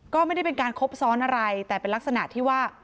ก็ไม่ได้เป็นการคบซ้อนอะไรแต่เป็นลักษณะที่ว่า